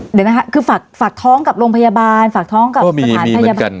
เดี๋ยวนะคะคือฝากท้องกับโรงพยาบาลฝากท้องกับสถานพยาบาล